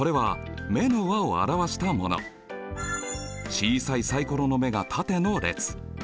小さいサイコロの目がタテの列。